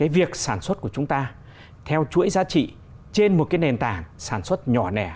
việc sản xuất của chúng ta theo chuỗi giá trị trên một nền tảng sản xuất nhỏ lẻ